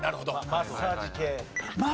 マッサージ！